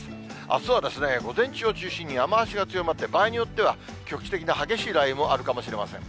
あすは午前中を中心に、雨足が強まって、場合によっては局地的な激しい雷雨もあるかもしれません。